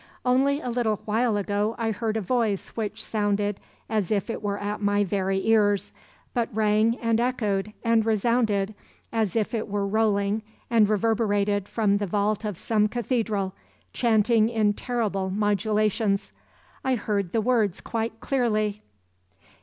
"Only a little while ago I heard a voice which sounded as if it were at my very ears, but rang and echoed and resounded as if it were rolling and reverberated from the vault of some cathedral, chanting in terrible modulations. I heard the words quite clearly.